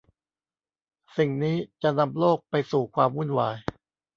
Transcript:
สิ่งนี้จะนำโลกไปสู่ความวุ่นวาย